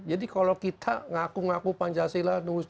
jadi kalau kita ngaku ngaku pancasila nunggu sebut